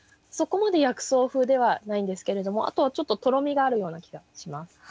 そこまで薬草風ではないんですけれどもあとはちょっととろみがあるような気がします。